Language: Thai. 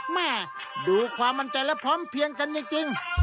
แม่ดูความมั่นใจและพร้อมเพียงกันจริง